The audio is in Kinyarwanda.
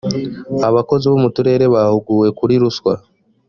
abakozi bo mu turere bahuguwe kuri ruswa.